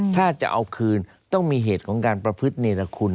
ถ้าจะเอาคืนต้องมีเหตุของการประพฤติเนรคุณ